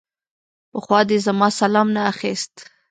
پخوا دې زما سلام نه اخيست.